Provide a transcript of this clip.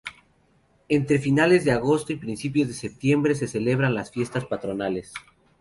Entre finales de agosto y principios de septiembre se celebran las fiestas patronales.